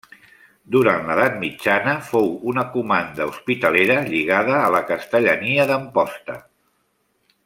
Durant l'edat mitjana fou una comanda hospitalera lligada a la Castellania d'Amposta.